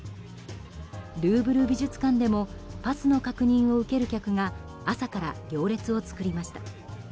ルーブル美術館でもパスの確認を受ける客が朝から行列を作りました。